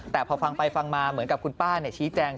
แต่พอฟังไปฟังมาเหมือนกับคุณป้าชี้แจง